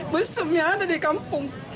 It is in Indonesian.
busumnya ada di kampung